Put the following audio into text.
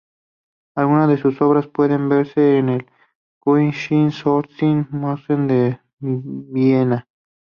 Algunas de sus obras pueden verse en el Kunsthistorisches Museum de Viena.